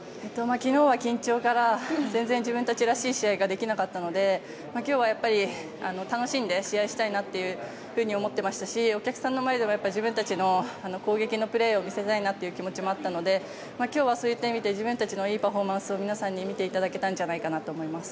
昨日は緊張から全然自分たちらしい試合ができなかったので今日はやっぱり楽しんで試合をしたいなと思っていましたしお客さんの前で自分たちの攻撃的なプレーを見せたいなという気持ちもあったので今日はそういった意味で自分たちのいいパフォーマンスを皆さんに見てもらえたかなと思います。